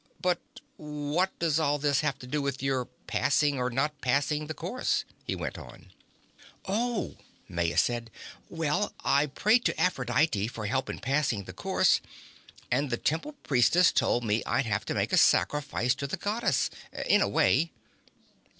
"But what does all this have to do with your passing, or not passing, the course?" he went on. "Oh," Maya said. "Well, I prayed to Aphrodite for help in passing the course. And the Temple Priestess told me I'd have to make a sacrifice to the Goddess. In a way."